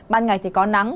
ban ngày thì có nắng